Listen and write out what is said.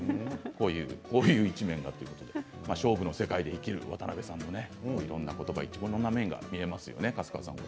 こういう一面があるということで勝負の世界に生きる渡辺さんのいろんなこといろんな面が見えますね。